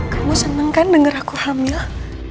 kamu seneng kan denger aku hamil